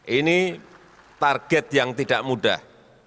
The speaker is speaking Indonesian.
ini target yang tidak mudah